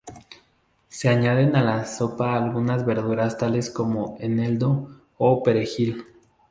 Se añaden a la sopa algunas verduras tales como eneldo o perejil.